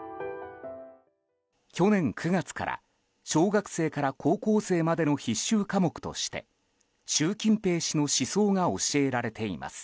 去年９月から小学生から高校生までの必修科目として習近平氏の思想が教えられています。